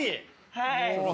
はい。